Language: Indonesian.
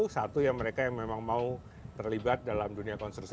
satu ya mereka yang memang mau terlibat dalam dunia konstruksi